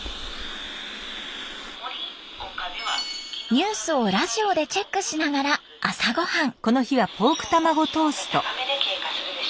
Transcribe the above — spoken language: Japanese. ニュースをラジオでチェックしながら朝ごはん。